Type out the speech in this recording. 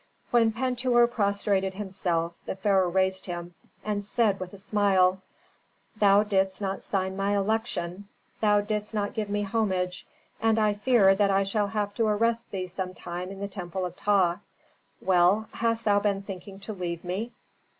When Pentuer prostrated himself the pharaoh raised him and said with a smile, "Thou didst not sign my election, thou didst not give me homage, and I fear that I shall have to arrest thee some time in the temple of Ptah. Well, hast thou been thinking to leave me?